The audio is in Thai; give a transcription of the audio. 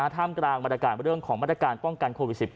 ท่ามกลางบรรยากาศเรื่องของมาตรการป้องกันโควิด๑๙